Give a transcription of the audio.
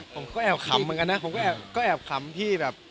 ผมก็แอบขำเหมือนกันนะผมก็แอบขำพี่แบบ